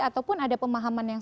ataupun ada pemahaman yang